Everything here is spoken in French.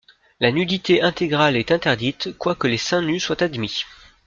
La nudité intégrale est interdite quoique les seins nus soient admis.